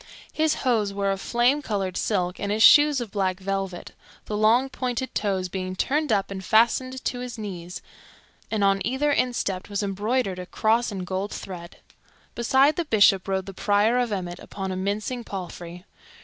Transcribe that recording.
His hose were of flame colored silk, and his shoes of black velvet, the long, pointed toes being turned up and fastened to his knees, and on either instep was embroidered a cross in gold thread. Beside the Bishop rode the Prior of Emmet upon a mincing palfrey.